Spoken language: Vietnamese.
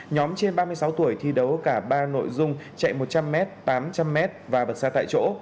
nhóm trên ba mươi sáu tuổi thi đấu cả ba nội dung chạy một trăm linh m tám trăm linh m và bật xa tại chỗ